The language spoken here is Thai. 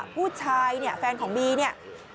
ผู้ชายแฟนของบีนี่